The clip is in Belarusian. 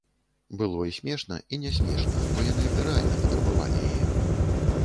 Было і смешна, і не смешна, бо яны рэальна патрабавалі яе.